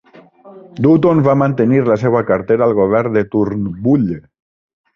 Dutton va mantenir la seua cartera al govern de Turnbull.